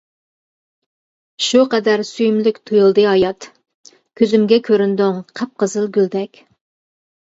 شۇ قەدەر سۆيۈملۈك تۇيۇلدى ھايات، كۆزۈمگە كۆرۈندۈڭ قىپقىزىل گۈلدەك.